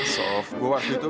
sof gue waktu itu